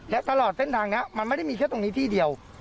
และตลอดเส้นทางนี้มันไม่ได้มีแค่ตรงนี้ที่เดียว